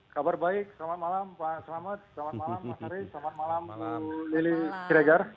kabar baik selamat malam pak selamat selamat malam pak haris selamat malam ibu lili regar